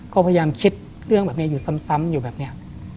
ก็พยายามคิดเรื่องแบบนี้อยู่ซ้ำอยู่แบบนี้